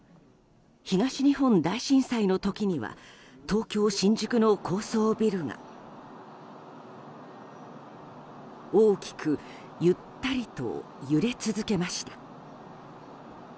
東日本大震災の時には東京・新宿の高層ビルが大きくゆったりと揺れ続けました。